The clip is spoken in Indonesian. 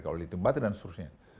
kalau lithium battery dan seterusnya